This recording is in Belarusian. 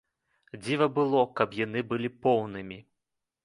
Дзіва было, каб яны былі поўнымі.